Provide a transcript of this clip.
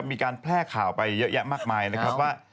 มีการแพร่ข่าวไปเยอะแยะมากมายนะครับว่า